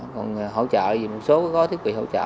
còn hỗ trợ thì một số có thiết bị hỗ trợ